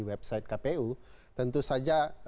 website kpu tentu saja